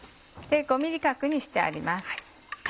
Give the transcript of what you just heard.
５ｍｍ角にしてあります。